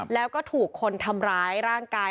แล้วก็ถูกคนทำร้ายร่างกาย